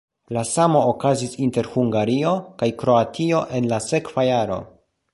La samo okazis inter Hungario kaj Kroatio en la sekva jaro.